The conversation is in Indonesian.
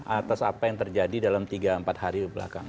atas apa yang terjadi dalam tiga empat hari belakang